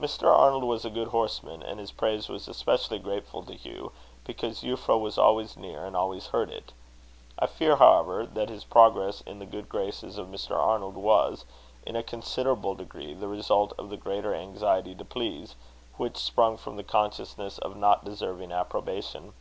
Mr. Arnold was a good horseman, and his praise was especially grateful to Hugh, because Euphra was always near, and always heard it. I fear, however, that his progress in the good graces of Mr. Arnold, was, in a considerable degree, the result of the greater anxiety to please, which sprung from the consciousness of not deserving approbation.